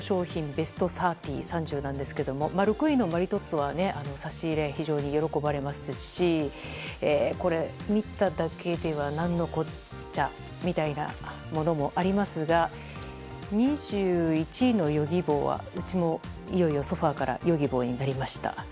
ベスト３０なんですが６位のマリトッツォは差し入れ、非常に喜ばれますし見ただけでは何のこっちゃみたいなものもありますが２１のヨギボーはうちもいよいよソファからヨギボーになりました。